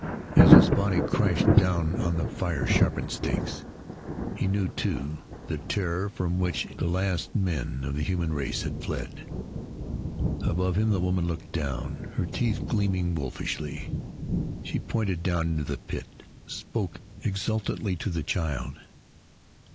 As his body crashed down on the fire sharpened stakes, he knew too the terror from which the last men of the human race had fled. Above him the woman looked down, her teeth gleaming wolfishly. She pointed down into the pit; spoke exultantly to the child.